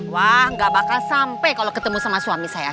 wah nggak bakal sampai kalau ketemu sama suami saya